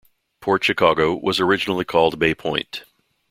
Port Chicago was originally called Bay Point.